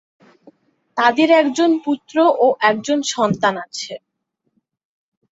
তাদের একজন পুত্র ও একজন সন্তান আছে।